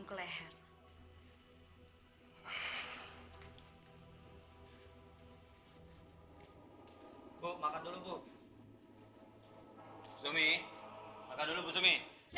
zumi makan dulu bu zumi